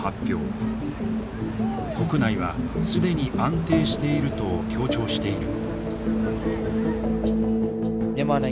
国内は既に安定していると強調している。